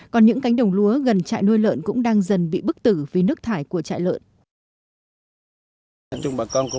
còn những cánh đồng lúa gần trại nuôi lợn cũng đang dần bị bức tử vì nước thải của trại lợn